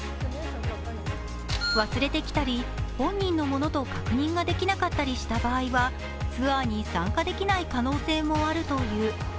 忘れてきたり本人のものと確認ができなかったりした場合はツアーに参加できない可能性もあるという。